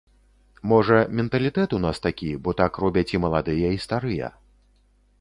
Можа, менталітэт у нас такі, бо так робяць і маладыя, і старыя.